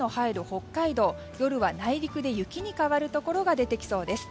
北海道夜は内陸で雪に変わるところが出てきそうです。